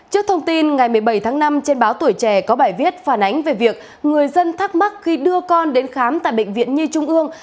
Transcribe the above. trước thông tin ngày một mươi bảy tháng năm trên báo tuổi trẻ có bài viết phản ánh về việc người dân thắc mắc khi đưa con đến khám tại bệnh viện nhi trung ương